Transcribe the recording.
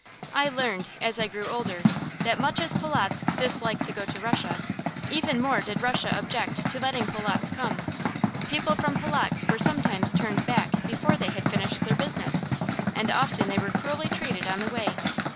I learned, as I grew older, that much as Polotzk disliked to go to Russia, even more did Russia object to letting Polotzk come. People from Polotzk were sometimes turned back before they had finished their business, and often they were cruelly treated on the way.